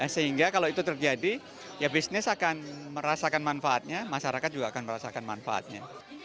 sehingga kalau itu terjadi ya bisnis akan merasakan manfaatnya masyarakat juga akan merasakan manfaatnya